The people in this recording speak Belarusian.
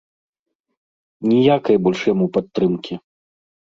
Ніякай больш яму падтрымкі.